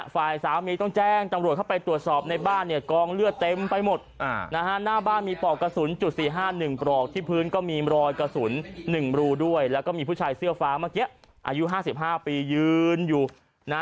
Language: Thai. ฝ่ายสามีต้องแจ้งตำรวจเข้าไปตรวจสอบในบ้านเนี่ยกองเลือดเต็มไปหมดนะฮะหน้าบ้านมีปลอกกระสุนจุดสี่ห้าหนึ่งปลอกที่พื้นก็มีรอยกระสุน๑รูด้วยแล้วก็มีผู้ชายเสื้อฟ้าเมื่อกี้อายุ๕๕ปียืนอยู่นะ